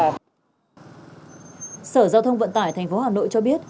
sở giao thông vận tải tp hà nội cho biết